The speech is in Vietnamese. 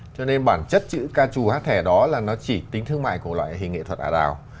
cho nên bản chất chữ ca trù hát thẻ đó là nó chỉ tính thương mại của loại hình nghệ thuật ả đào